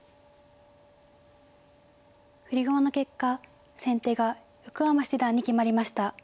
振り駒の結果先手が横山七段に決まりました。